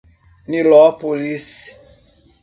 Nilópolis